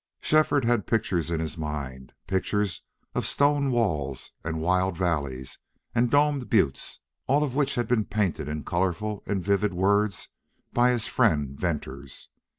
Shefford had pictures in his mind, pictures of stone walls and wild valleys and domed buttes, all of which had been painted in colorful and vivid words by his friend Venters.